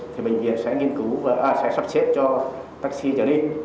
thì bệnh viện sẽ nghiên cứu và sẽ sắp xếp cho taxi chở đi